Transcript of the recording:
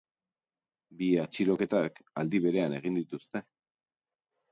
Bi atxiloketak aldi berean egin dituzte.